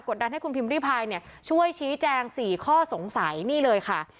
ดันให้คุณพิมพ์ริพายช่วยชี้แจง๔ข้อสงสัยนี่เลยค่ะ